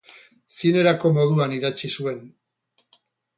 Zinerako moduan idatzi zuen.